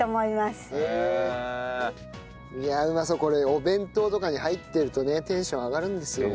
お弁当とかに入ってるとねテンション上がるんですよ。